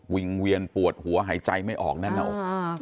วิงเวียนปวดหัวหายใจไม่ออกนั่นออก